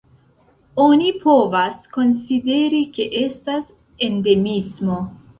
Oni povas konsideri, ke estas endemismo.